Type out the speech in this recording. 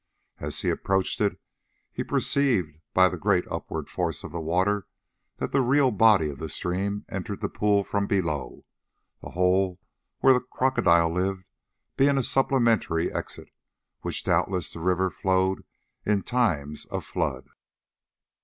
As he approached it he perceived by the great upward force of the water that the real body of the stream entered the pool from below, the hole where the crocodile lived being but a supplementary exit, which doubtless the river followed in times of flood.